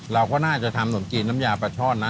เราก็น่าจะทำหน่วงกรีน้ำยาปลาชอดนะ